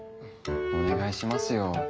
お願いしますよ。